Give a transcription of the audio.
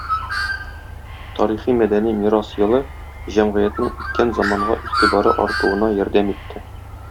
Тарихи-мәдәни мирас елы җәмгыятьнең үткән заманга игътибары артуына ярдәм итте.